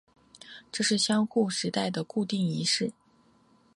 这是江户时代固定的仪式。